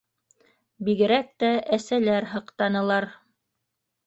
Бигерәк тә әсәләр һыҡтанылар.